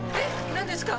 何ですか？